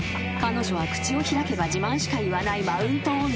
彼女は口を開けば自慢しか言わないマウント女］